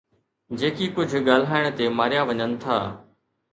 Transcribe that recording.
جيڪي ڪجهه ڳالهائڻ تي ماريا وڃن ٿا